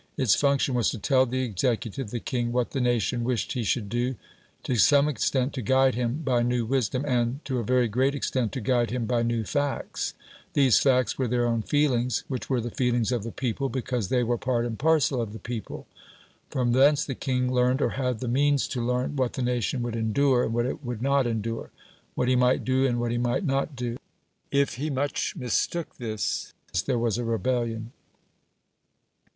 Its function was to tell the executive the king what the nation wished he should do; to some extent, to guide him by new wisdom, and, to a very great extent, to guide him by new facts. These facts were their own feelings, which were the feelings of the people, because they were part and parcel of the people. From thence the king learned, or had the means to learn, what the nation would endure, and what it would not endure; what he might do, and what he might not do. If he much mistook this, there was a rebellion.